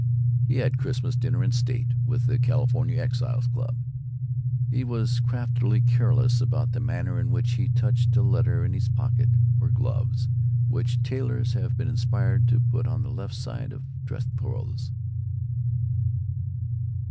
He had Christmas dinner in state, with the California Exiles Club. He was craftily careless about the manner in which he touched a letter in his pocket for gloves, which tailors have been inspired to put on the left side of dress clothes.